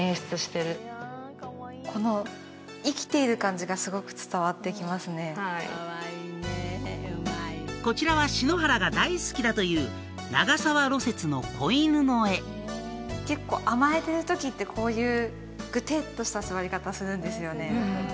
私がすごいはいこちらは篠原が大好きだという長沢蘆雪の子犬の絵結構甘えてるときってこういうぐてっとした座り方するんですよね